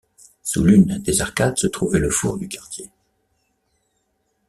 Sous l'une des arcades se trouvait le four du quartier.